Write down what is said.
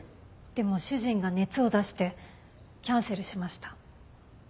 でも主人が熱を出してキャンセルしました。